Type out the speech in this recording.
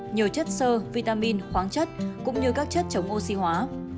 nhiều chất sơ vitamin khoáng chất cũng như các chất chống oxy hóa